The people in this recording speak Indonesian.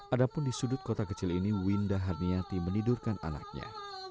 adapun di sudut kota kecil ini winda harniati menidurkan anaknya